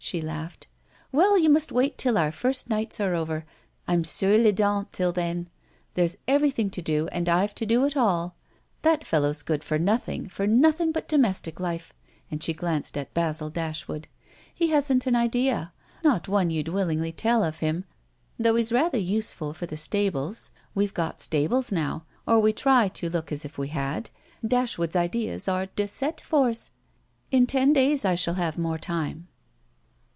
she laughed. "Well, you must wait till our first nights are over I'm sur les dents till then. There's everything to do and I've to do it all. That fellow's good for nothing, for nothing but domestic life" and she glanced at Basil Dashwood. "He hasn't an idea not one you'd willingly tell of him, though he's rather useful for the stables. We've got stables now or we try to look as if we had: Dashwood's ideas are de cette force. In ten days I shall have more time."